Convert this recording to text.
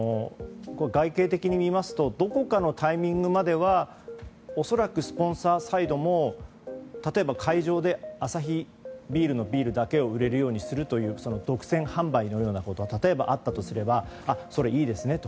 外形的に見ますとどこかのタイミングまでは恐らく、スポンサーサイドも例えば会場でアサヒビールのビールだけを売れるようにするなどの独占販売みたいなことが例えば、あったとすればそれ、いいですねと。